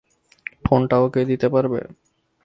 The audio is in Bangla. ফোনটা ওকে দিতে পারবে?